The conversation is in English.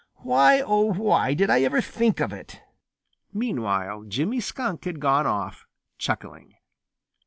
Why, oh, why did I ever think of it?" Meanwhile Jimmy Skunk had gone off, chuckling.